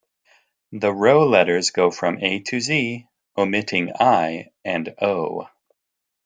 The row letters go from A to Z, omitting I and O.